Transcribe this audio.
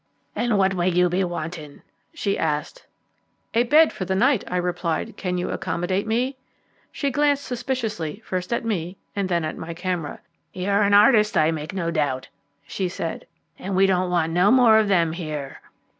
"And what may you be wanting?" she asked. "A bed for the night," I replied; "can you accommodate me?" She glanced suspiciously first at me and then at my camera. "You are an artist, I make no doubt," she said, "and we don't want no more of them here."